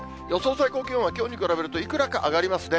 最高気温は、きょうに比べるといくらか上がりますね。